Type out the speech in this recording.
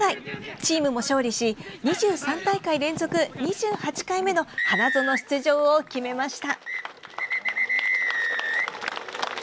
チームも勝利し２３大会連続、２８回目の花園出場を決めました。